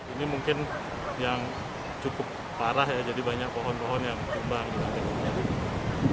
ini mungkin yang cukup parah ya jadi banyak pohon pohon yang tumbang